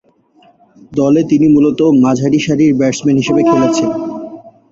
দলে তিনি মূলতঃ মাঝারিসারির ব্যাটসম্যান হিসেবে খেলছেন।